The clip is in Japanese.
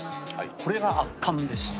これが圧巻でして。